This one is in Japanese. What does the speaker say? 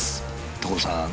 所さん！